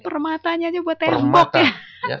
permatanya itu buat tembok ya